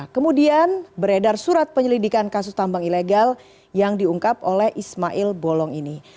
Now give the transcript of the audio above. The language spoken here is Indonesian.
kemudian beredar surat penyelidikan kasus tambang ilegal yang diungkap oleh ismail bolong ini